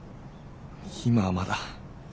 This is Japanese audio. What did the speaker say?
今はまだ。